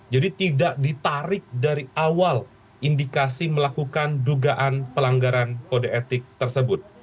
jadi tidak ditarik dari awal indikasi melakukan dugaan pelanggaran kode etik tersebut